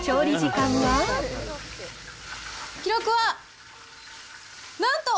記録は、なんと！